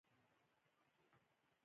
چمیلی ولې سپین دی؟